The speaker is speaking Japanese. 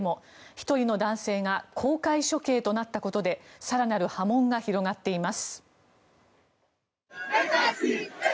１人の男性が公開処刑となったことで更なる波紋が広がっています。